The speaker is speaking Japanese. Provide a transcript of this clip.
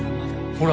ほら！